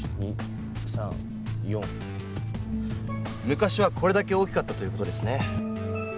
昔はこれだけ大きかったという事ですね。